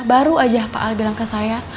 baru aja pak ali bilang ke saya